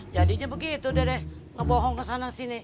jadinya begitu dedek ngebohong kesana sini